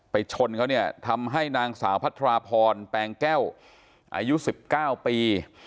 ชนเขาเนี่ยทำให้นางสาวพัทราพรแปลงแก้วอายุ๑๙ปี